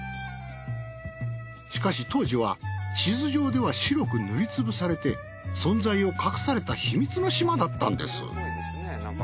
しかし当時は地図上では白く塗りつぶされて存在を隠された秘密の島だったんです。